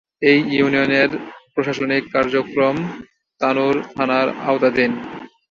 এ ইউনিয়নের প্রশাসনিক কার্যক্রম তানোর থানার আওতাধীন।